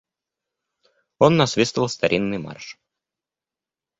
Он насвистывал старинный марш.